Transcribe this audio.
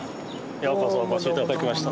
ようこそお越し頂きました。